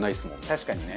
確かにね。